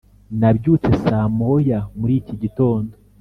nabyutse saa moya muri iki gitondo.